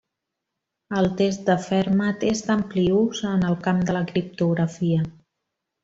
El test de Fermat és d'ampli ús en el camp de la criptografia.